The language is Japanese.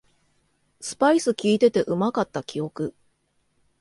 スパイスきいててうまかった記憶